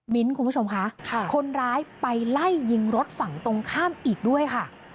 คุณผู้ชมค่ะคนร้ายไปไล่ยิงรถฝั่งตรงข้ามอีกด้วยค่ะ